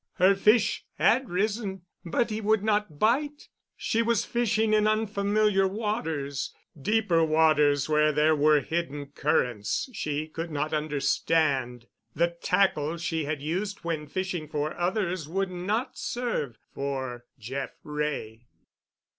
Her fish had risen, but he would not bite. She was fishing in unfamiliar waters, deeper waters, where there were hidden currents she could not understand. The tackle she had used when fishing for others would not serve for Jeff Wray.